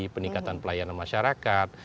peningkatan pelayanan masyarakat